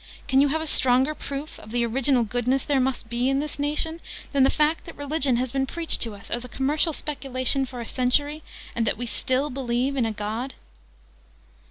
"Can you have a stronger proof of the Original Goodness there must be in this nation, than the fact that Religion has been preached to us, as a commercial speculation, for a century, and that we still believe in a God?"